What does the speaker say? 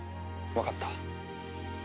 わかった。